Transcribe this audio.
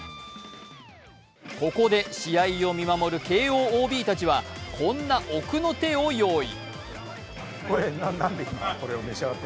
ここで、試合を見守る慶応ＯＢたちはこんな奥の手を用意。